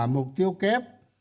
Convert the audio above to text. mục tiêu kép